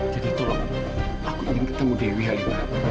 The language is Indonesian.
jadi tolong aku ingin ketemu dewi halimah